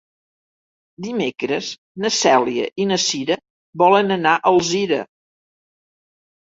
Dimecres na Cèlia i na Cira volen anar a Alzira.